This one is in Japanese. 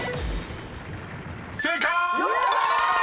［正解！］